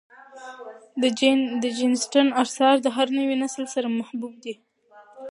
د جین اسټن آثار د هر نوي نسل سره محبوب دي.